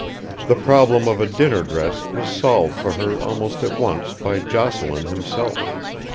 The problem of a dinner dress was solved for her almost at once by Jocelyn himself.